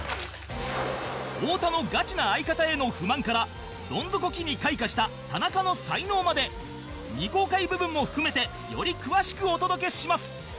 太田のガチな相方への不満からドン底期に開花した田中の才能まで未公開部分も含めてより詳しくお届けします